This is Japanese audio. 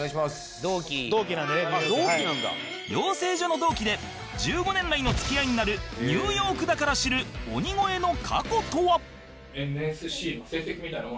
「同期」「同期なんでねニューヨーク」養成所の同期で１５年来の付き合いになるニューヨークだから知る鬼越の過去とは？